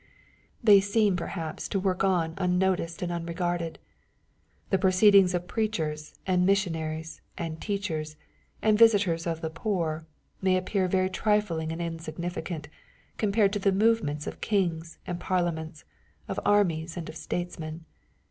They seem perhaps to work on unnoticed and unregarded. The proceedings of preachers, and missionaries, and teachers, and visitors of the poor, may appear very trifling and insignificant, compared to the movements of kings and parliaments, of armies and of statesmen.